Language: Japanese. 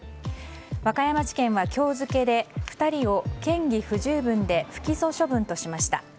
和歌山地検は今日付で２人を嫌疑不十分で不起訴処分としました。